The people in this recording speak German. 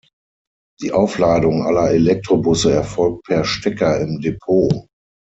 Die Aufladung aller Elektrobusse erfolgt per Stecker im Depot.